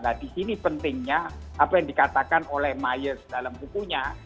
nah di sini pentingnya apa yang dikatakan oleh myers dalam bukunya